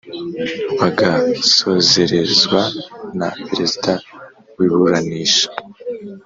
bagasozerezwa na Perezida w iburanisha